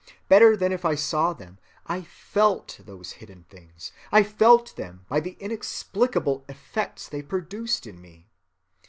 Better than if I saw them, I felt those hidden things; I felt them by the inexplicable effects they produced in me.